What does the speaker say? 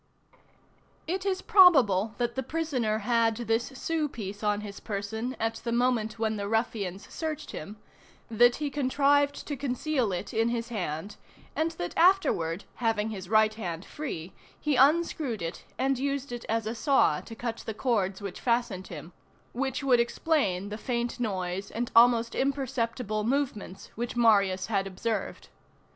It is probable that the prisoner had this sou piece on his person at the moment when the ruffians searched him, that he contrived to conceal it in his hand, and that afterward, having his right hand free, he unscrewed it, and used it as a saw to cut the cords which fastened him, which would explain the faint noise and almost imperceptible movements which Marius had observed.